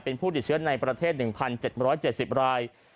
เป็นผู้ติดเชื้อในประเทศ๑๗๗๐ราย